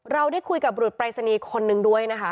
เราได้คุยกับบุรุษปรายศนีย์คนนึงด้วยนะคะ